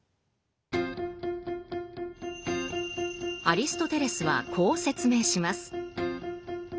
アリストテレスはこう説明します。